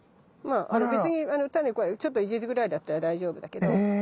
別に種をちょっといじるぐらいだったら大丈夫だけど。